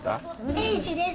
瑛士です。